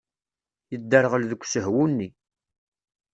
Yedderɣel deg usehwu-nni.